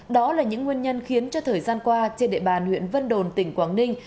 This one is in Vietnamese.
đó là những nguyên nhân khiến cho thời gian qua trên địa bàn huyện vân đồn tỉnh quảng ninh